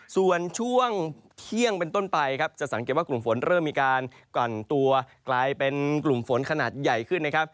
ส่วนช่วงเที่ยงเป็นต้นไปครับจะสังเกตว่ากลุ่มฝนเริ่มมีการกล่อนตัวกลายเป็นกลุ่มฝนขนาดใหญ่ขึ้นนะครับ